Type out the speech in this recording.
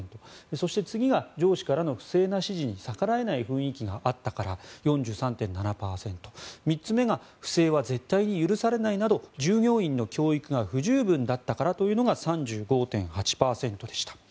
そして、次が上司からの不正な指示に逆らえない雰囲気があったから、４３．７％３つ目が不正は絶対に許されないなど従業員の教育が不十分だったからだというのが３５．８％でした。